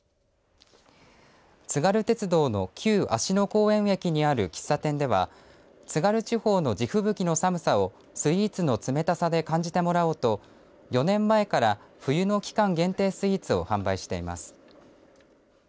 津軽鉄道の旧芦野公園駅にある喫茶店では津軽地方の地吹雪の寒さをスイーツの冷たさで感じてもらおうと４年前から冬の期間限定スイーツを販売しています。